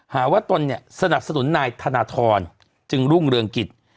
หาว่าตนเนี่ยสนับสนุนนายธนทรจึงรุ่งเรืองกิจ